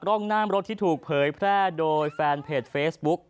ร่องน้ำรถที่ถูกเผยแพร่โดยแฟนเพจเฟซบุ๊ก